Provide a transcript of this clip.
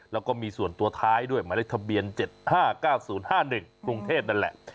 แล้วก็มีส่วนตัวท้ายด้วยหมายเลขทะเบียน๗๕๙๐๕๑กรุงเทพนั่นแหละ